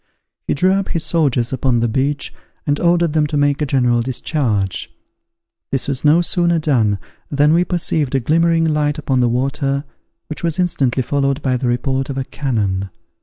He drew up his soldiers upon the beach, and ordered them to make a general discharge. This was no sooner done, than we perceived a glimmering light upon the water which was instantly followed by the report of a cannon.